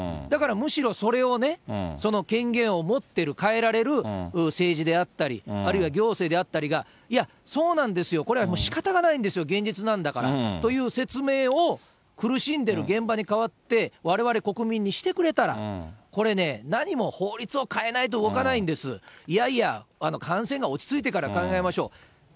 だから、むしろそれをね、その権限を持ってる、変えられる政治であったり、あるいは行政であったりが、いや、そうなんですよ、これはしかたがないんですよ、現実なんだからという説明を、苦しんでる現場に代わって、われわれ国民にしてくれたら、これね、何も法律を変えないと動かないんです、いやいや、感染が落ち着いてから考えましょう。